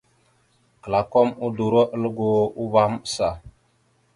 Klakom udoróalgo uvah maɓəsa.